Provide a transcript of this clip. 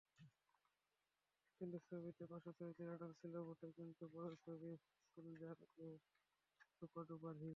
সেই ছবিতে পার্শ্বচরিত্রের আড়াল ছিল বটে, কিন্তু পরের ছবি সোলজার-এ সুপারডুপার হিট।